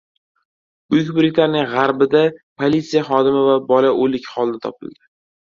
Buyuk Britaniya g‘arbida polisiya xodimi va bola o‘lik holda topildi